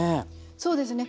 そうですね。